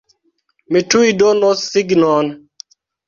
Mi tuj donos signon!